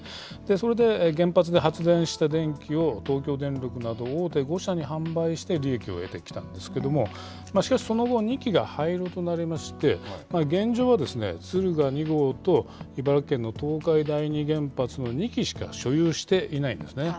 それで原発で発電した電気を東京電力など大手５社に販売して利益を得てきたんですけども、しかしその後、２基が廃炉となりまして、現状は、敦賀２号と茨城県の東海第二原発の２基しか所有していないんですね。